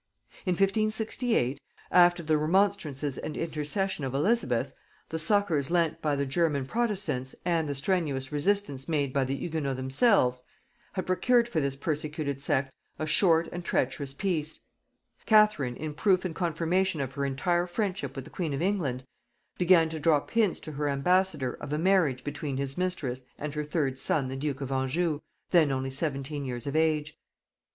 In 1568, after the remonstrances and intercession of Elizabeth, the succours lent by the German protestants, and the strenuous resistance made by the Hugonots themselves, had procured for this persecuted sect a short and treacherous peace, Catherine, in proof and confirmation of her entire friendship with the queen of England, began to drop hints to her ambassador of a marriage between his mistress and her third son the duke of Anjou, then only seventeen years of age.